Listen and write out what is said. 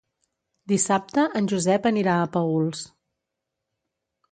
Dissabte en Josep anirà a Paüls.